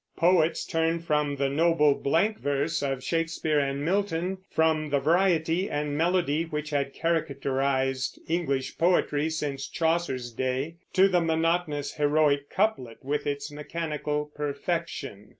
Poets turned from the noble blank verse of Shakespeare and Milton, from the variety and melody which had characterized English poetry since Chaucer's day, to the monotonous heroic couplet with its mechanical perfection.